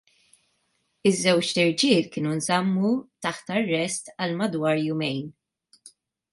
Iż-żewġt irġiel kienu nżammu taħt arrest għal madwar jumejn.